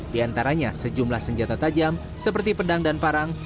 di antaranya sejumlah senjata tajam seperti pedang dan parang